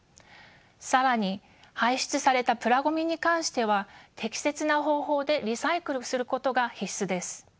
更に排出されたプラごみに関しては適切な方法でリサイクルすることが必須です。